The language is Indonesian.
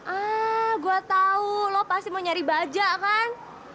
ah gua tau lo pasti mau nyari bajak kan